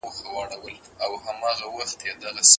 که خصوصي سکتور نه وای تجارت به نه وای پراخ سوی.